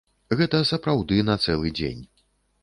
Гэта сапраўды на цэлы дзень.